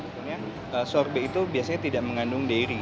sebenarnya sorbet itu biasanya tidak mengandung dairy